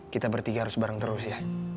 kita bertiga harus bareng terus ya